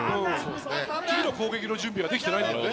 次の攻撃の準備ができていないんですよね。